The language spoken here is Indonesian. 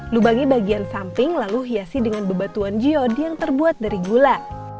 lubangi bagian samping lalu hiasi dengan bebatuan jiod yang terbuat dari gula